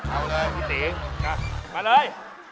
เอาเลยพี่ตีมาเลย